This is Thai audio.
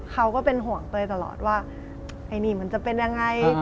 เขาก็เป็นห่วงเตยตลอดว่าไอ้นี่มันจะเป็นยังไง